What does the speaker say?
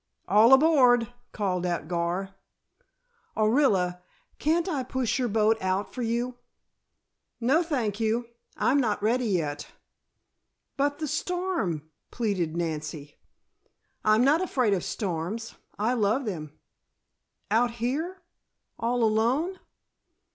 "All aboard!" called out Gar. "Orilla, can't I push your boat out for you?" "No, thank you. I'm not ready yet." "But the storm," pleaded Nancy. "I'm not afraid of storms. I love them." "Out here, all alone?"